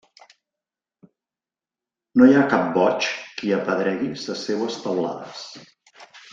No hi ha cap boig, qui apedregui ses seues teulades.